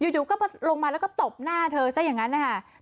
อยู่ก็ลงมาแล้วก็ตบหน้าเธอใช่หรืออย่างนั้น